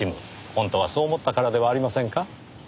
本当はそう思ったからではありませんか？